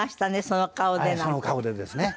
「その顔で」ですね。